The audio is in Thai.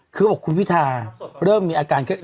คือบอกคุณพี่ถาเริ่มมีอาการเข้าไป